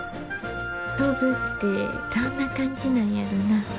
飛ぶってどんな感じなんやろな。